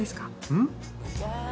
うん？